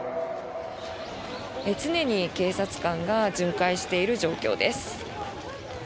常に警察官が巡回している状況です。